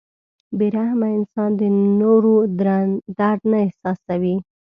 • بې رحمه انسان د نورو درد نه احساسوي.